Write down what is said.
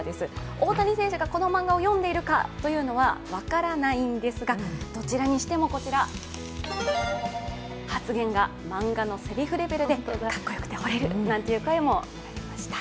大谷選手がこの漫画を読んでいるかは分からないんですがどちらにしても発言が漫画のせりふレベルでカッコよくてほれるなんて声もありました。